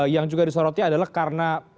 yang juga disoroti adalah karena